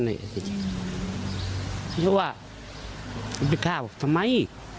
เพราะว่ามันไปฆ่าทำไม